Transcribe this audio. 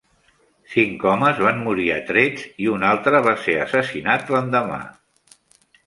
Cinc homes van morir a trets i un altre va ser assassinat l'endemà.